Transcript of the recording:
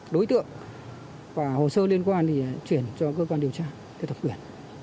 đối tượng và hồ sơ liên quan thì chuyển cho cơ quan điều tra theo thẩm quyền